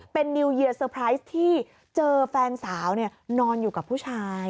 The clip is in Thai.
เป็นแยกง่ายมาก